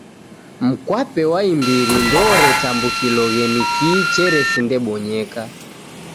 Mkwape wa imbiri ndooretambukiloghe ni kii cheresindebonyeka.